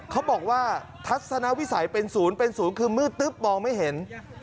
เขาบอกว่าทัศนวิสัยเป็นศูนย์เป็นศูนย์คือมืดตึ๊บมองไม่เห็น